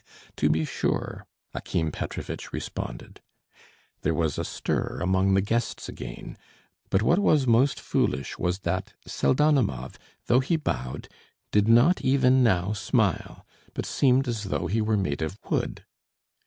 "He he he! To be sure," Akim Petrovitch responded. There was a stir among the guests again, but what was most foolish was that Pseldonimov, though he bowed, did not even now smile, but seemed as though he were made of wood.